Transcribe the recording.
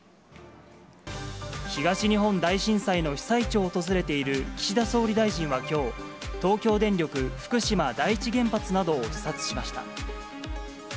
東日本大震災の被災地を訪れている岸田総理大臣はきょう、東京電力福島第一原発などを視察しました。